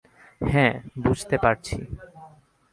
হ্যাঁ, বুঝতে পারছি।